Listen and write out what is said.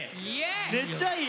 めっちゃいい。